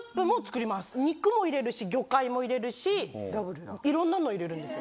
肉も入れるし魚介も入れるしいろんなの入れるんですよ。